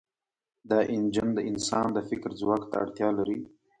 دا انجن د انسان د فکر ځواک ته اړتیا لري.